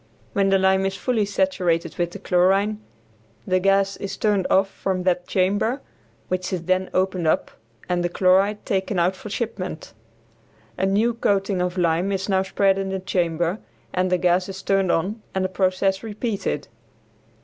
When the lime is fully saturated with the chlorine the gas is turned off from that chamber, which is then opened up and the chloride taken out for shipment. A new coating of lime is now spread in the chamber and the gas is turned on and the process repeated.